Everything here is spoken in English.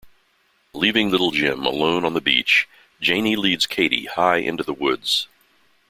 Leaving little Jim alone on the beach, Janey leads Cady high into the woods.